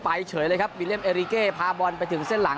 เฉยเลยครับวิเลี่ยมเอริเก้พาบอลไปถึงเส้นหลัง